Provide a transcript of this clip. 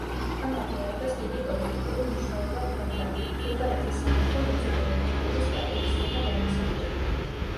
ამ აღიარებას დიდი პოლიტიკური მნიშვნელობა ჰქონდა, ბულგარეთის სამეფომ მეზობელი ქვეყნების პატივისცემა დაიმსახურა.